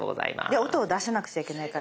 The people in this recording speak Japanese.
で音を出さなくちゃいけないから。